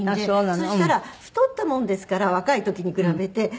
そしたら太ったものですから若い時に比べて。